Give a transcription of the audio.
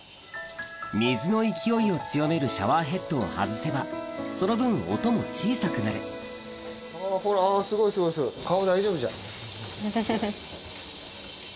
水の勢いを強めるシャワーヘッドを外せばその分音も小さくなるほらあすごいすごいすごい。